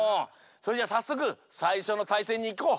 それじゃあさっそくさいしょのたいせんにいこう。